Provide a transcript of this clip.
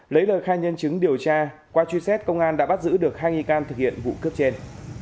lấy lời khai nhân chứng điều tra qua truy xét công an đã bắt giữ được hai nghi can thực hiện vụ cướp trên